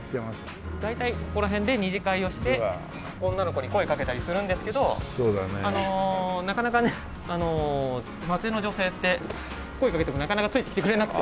大体ここら辺で２次会をして女の子に声かけたりするんですけどあのなかなかね松江の女性って声かけてもなかなかついてきてくれなくて。